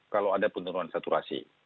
kalau ada penurunan saturasi